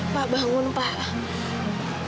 pak bangun pak